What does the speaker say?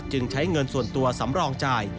ใช้เงินส่วนตัวสำรองจ่าย